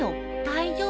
大丈夫？